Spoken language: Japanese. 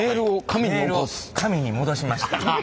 紙に戻しました。